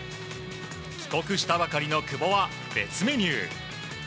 帰国したばかりの久保は別メニュー。